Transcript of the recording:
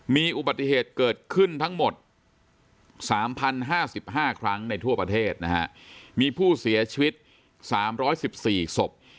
มีอุบัติเหตุเกิดขึ้นทั้งหมดสามพันห้าสิบห้าครั้งในทั่วประเทศนะฮะมีผู้เสียชีวิตสามร้อยสิบสี่ศพ